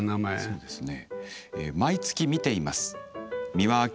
そうですね。